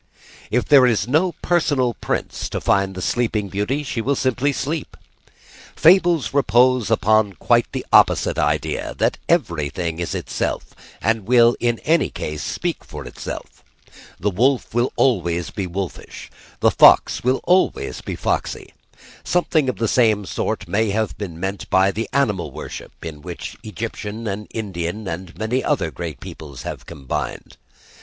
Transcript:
If there is no personal prince to find the Sleeping Beauty she will simply sleep. Fables repose upon quite the opposite idea; that everything is itself, and will in any case speak for itself. The wolf will be always wolfish; the fox will be always foxy. Something of the same sort may have been meant by the animal worship, in which Egyptian and Indian and many other great peoples have combined.